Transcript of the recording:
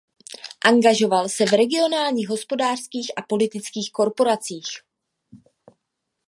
Angažoval se v regionálních hospodářských a politických korporacích.